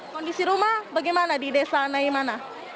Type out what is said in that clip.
kondisi rumah bagaimana di desa naimana